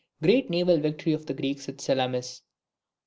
Great naval victory of the Greeks at Salamis.